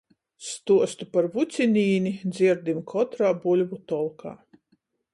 Stuostu par Vucinīni dzierdim kotrā buļvu tolkā.